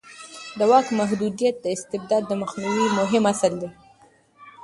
د واک محدودیت د استبداد د مخنیوي مهم اصل دی